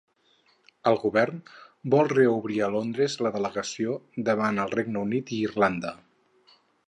El govern vol reobrir a Londres la delegació davant el Regne Unit i Irlanda.